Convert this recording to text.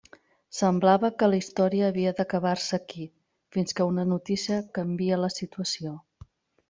Semblava que la història havia d'acabar-se aquí, fins que una notícia canvia la situació.